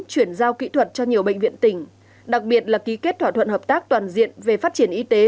chuyển giao kỹ thuật cho nhiều bệnh viện tỉnh đặc biệt là ký kết thỏa thuận hợp tác toàn diện về phát triển y tế